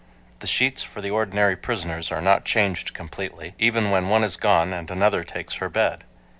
The sheets for the ordinary prisoners are not changed completely, even when one is gone and another takes her bed.